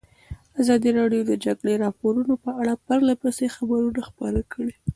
ازادي راډیو د د جګړې راپورونه په اړه پرله پسې خبرونه خپاره کړي.